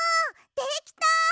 できた！